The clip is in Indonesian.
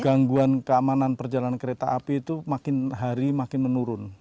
gangguan keamanan perjalanan kereta api itu makin hari makin menurun